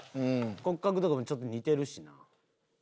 骨格とかもちょっと似てるし。